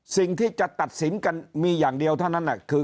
สิ่งที่จะตัดสินกันมีอย่างเดียวเท่านั้นคือ